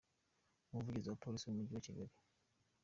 Umuvugizi wa Polisi mu Mujyi wa Kigali, Supt.